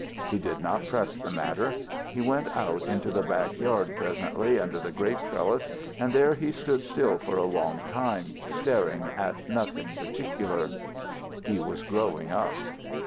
He did not press the matter. He went out into the back yard presently, under the grape trellis, and there he stood still for a long time, staring at nothing particular. He was growing up.